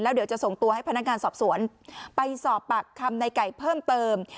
เดี๋ยวจะส่งตัวให้พนักงานสอบสวนไปสอบปากคำในไก่เพิ่มเติม